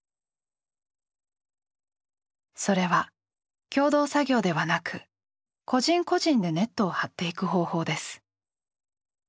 それは共同作業ではなく個人個人でネットを張っていく方法です。